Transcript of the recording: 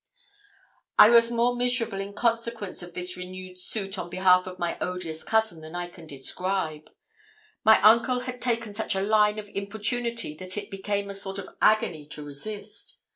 I was more miserable in consequence of this renewed suit on behalf of my odious cousin than I can describe. My uncle had taken such a line of importunity that it became a sort of agony to resist.